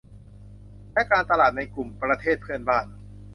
และการตลาดในกลุ่มประเทศเพื่อนบ้าน